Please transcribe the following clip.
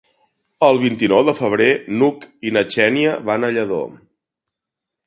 El vint-i-nou de febrer n'Hug i na Xènia van a Lladó.